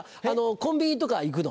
コンビニとかは行くの？